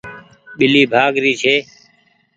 ٻلي ڀآگ ري ڇي۔